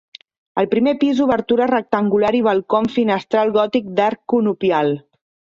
Al primer pis obertures rectangular i balcó amb finestral gòtic d'arc conopial.